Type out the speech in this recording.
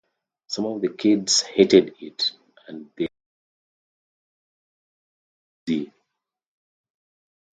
Some of the kids hated it and they'd shout: 'Ozzy, Ozzy!